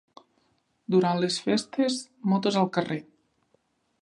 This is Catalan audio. Durant les festes, Motos al carrer.